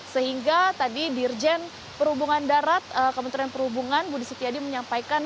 sehingga tadi dirjen perhubungan darat kementerian perhubungan budi setiadi menyampaikan